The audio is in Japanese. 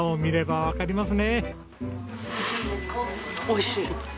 おいしい。